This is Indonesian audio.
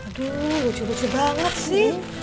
aduh lucu lucu banget sih